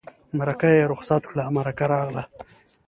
مرکه یې رخصت کړه مرکه راغله.